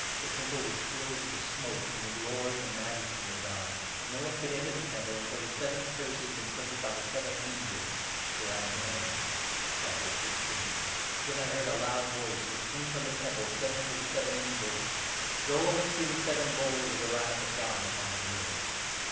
' The Temple was filled with 8 smoke from the Glory ' and Majesty of God ; and no one could enter the Temple, until the seven Curses inflicted by the seven angels were at an end. Then I heard a loud i voice, which came from the Temple, saying to the seven angels —' Go and empty the seven bowls of the Wrath of God upon the earth.'